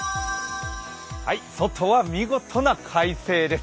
外は見事な快晴です。